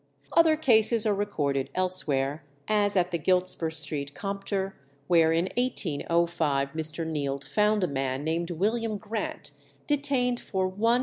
_ Other cases are recorded elsewhere, as at the Giltspur Street Compter, where in 1805 Mr. Neild found a man named William Grant detained for 1_s.